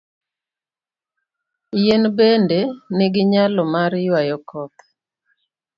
Yien bende nigi nyalo mar ywayo koth.